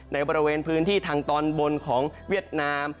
ในบริเวณพื้นที่ทางตอนบนของเวียดนาม